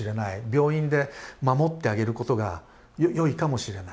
病院で守ってあげることがよいかもしれない。